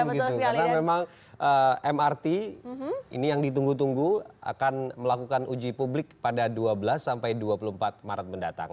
karena memang mrt ini yang ditunggu tunggu akan melakukan uji publik pada dua belas sampai dua puluh empat maret mendatang